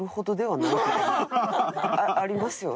ありますよ